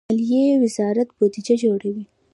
مالیې وزارت بودجه جوړوي